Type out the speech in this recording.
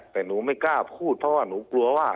แต่หนูไม่กล้าพูดเพราะว่าหนูกลัวว่า